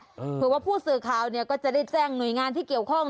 เผื่อว่าผู้สื่อข่าวเนี่ยก็จะได้แจ้งหน่วยงานที่เกี่ยวข้อง